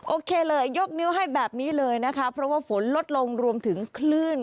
โอเคเลยยกนิ้วให้แบบนี้เลยนะคะเพราะว่าฝนลดลงรวมถึงคลื่น